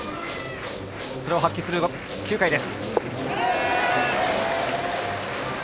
それを発揮する９回です。